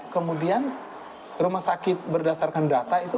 pada handai pesawat terkini